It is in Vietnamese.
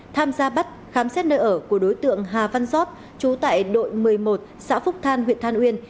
tham gia bắt khám xét nơi ở của đối tượng hà văn giót trú tại đội một mươi một xã phúc than huyện than uyên